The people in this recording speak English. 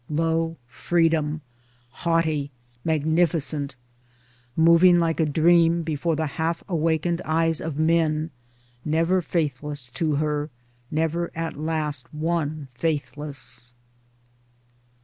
Lo, Freedom ! haughty, magnificent, moving like a dream before the half awakened eyes of men — never faithless to her, never at last one faithless.